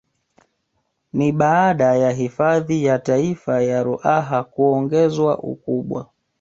Ni baada ya hifadhi ya Taifa ya Ruaha kuongezwa ukubwa